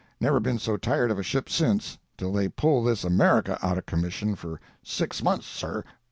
Never been so tired of a ship since, till they pull this America out of commission for six months, sir!